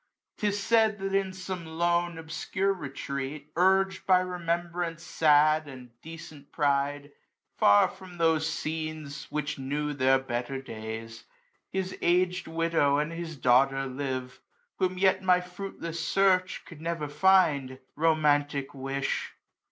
'Tis said that in some lone obscure retreat. AUTUMN. 131 ^ Urg'd by remembrance sad, and decent pride, Far from those scenes which knew their better days, ^' His aged widow and his daughter live, 250 Whom yet my fruitless search could never find. '^ Romantic wish